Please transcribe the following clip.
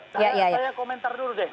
saya komentar dulu deh